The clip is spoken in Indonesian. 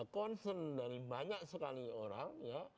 concern dari banyak sekali orang ya